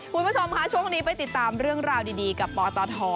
คุณผู้ชมค่ะช่วงนี้ไปติดตามเรื่องราวดีกับปตท